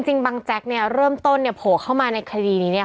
จริงบางแจ๊กเนี่ยเริ่มต้นเนี่ยโผล่เข้ามาในคดีนี้เนี่ย